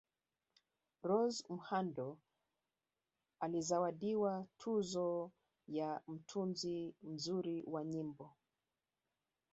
Rose Muhando alizawadiwa tuzo ya Mtunzi mzuri wa nyimbo